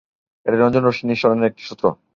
এটি রঞ্জন-রশ্মি নিঃসরণের একটি সূত্র।